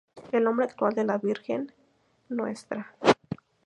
El nombre actual de la virgen, Ntra.